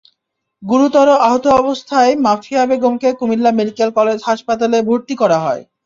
গুরুতর আহত অবস্থায় মাফিয়া বেগমকে কুমিল্লা মেডিকেল কলেজ হাসপাতালে ভর্তি করা হয়।